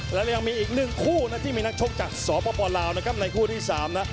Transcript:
แล้วก็ยังมีอีกหนึ่งคู่นะที่มีนักชกจากสปลาวนะครับในคู่ที่๓นะ